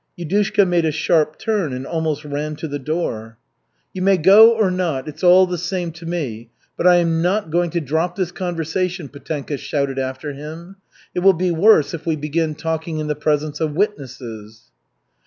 Yudushka made a sharp turn and almost ran to the door. "You may go or not, it's all the same to me, but I am not going to drop this conversation," Petenka shouted after him. "It will be worse if we begin talking in the presence of witnesses."